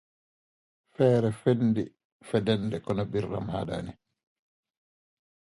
These bathymetric conditions have been known by mariners to cause rogue waves.